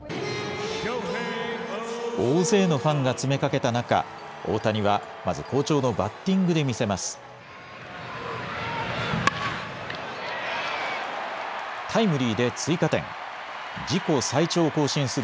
大勢のファンが詰めかけた中、大谷はまず、好調のバッティングで見せます。